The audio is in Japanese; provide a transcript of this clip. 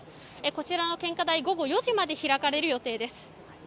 こちらの献花台、午後４時まで開かれる予定です。